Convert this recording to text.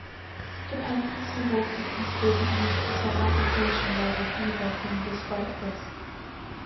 Dependency Walker can still be used for some application level debugging despite this.